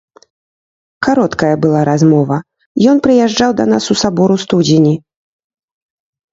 Кароткая была размова, ён прыязджаў да нас у сабор у студзені.